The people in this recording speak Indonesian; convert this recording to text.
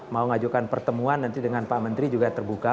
mau ngajukan pertemuan nanti dengan pak menteri juga terbuka